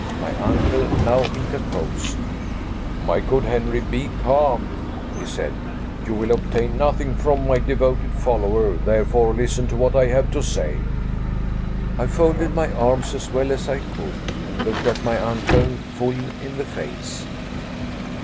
My uncle now interposed. "My good Henry, be calm," he said. "You will obtain nothing from my devoted follower; therefore, listen to what I have to say." I folded my arms, as well as I could, and looked my uncle full in the face.